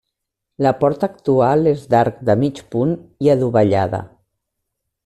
La porta actual és d'arc de mig punt i adovellada.